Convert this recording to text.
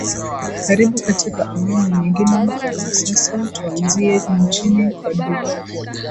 karibu katika awamu nyingine na sasa tuanzie nchini cote de voire